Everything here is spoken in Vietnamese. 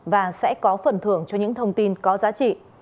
và sẽ có phần thưởng cho những thông tin có giá trị